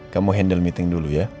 kamu handle meeting dulu ya